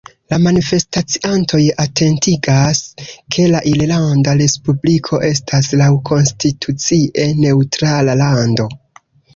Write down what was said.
La manifestaciantoj atentigas, ke la Irlanda Respubliko estas laŭkonstitucie neŭtrala lando.